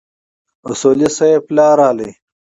اصولي صیب پلار راغی.